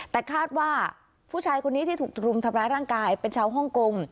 แต่คาดว่าผู้ชายคนนี้ที่ถูกรุมทำร้ายร่างกายเป็นชาวฮ่องกง